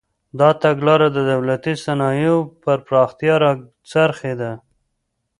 دا تګلاره د دولتي صنایعو پر پراختیا راڅرخېده.